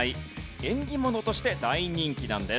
縁起ものとして大人気なんです。